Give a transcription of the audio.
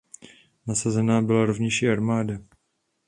Nasazena byla rovněž i armáda.